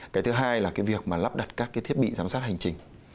cái thứ hai là cái việc mà lắp đặt các cái thiết bị giám sát hành trình